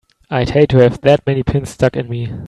I'd hate to have that many pins stuck in me!